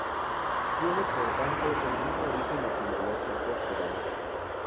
Tiene por tanto el mismo origen etimológico que Dámaso.